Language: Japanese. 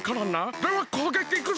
ではこうげきいくぞ！